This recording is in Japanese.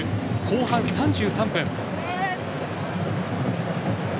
後半３３分。